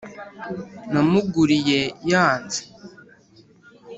namuguriye yanze